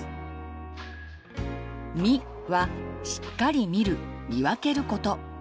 「み」は「しっかりみるみわける」こと。